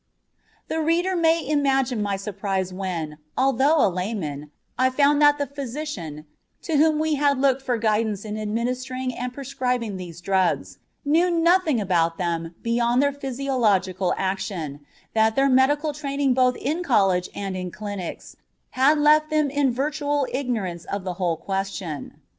The reader may imagine my surprise when, although a layman, I found that the physician, to whom we had looked for guidance in administering and prescribing these drugs, knew nothing about them beyond their physiological action; that their medical training both in college and in clinics had left them in virtual ignorance of the whole question.